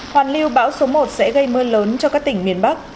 hoàn lưu bão số một sẽ gây mưa lớn cho các tỉnh miền bắc